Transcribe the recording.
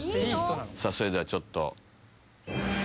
それではちょっと。